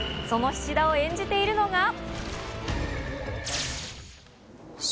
その菱田を演じているのが。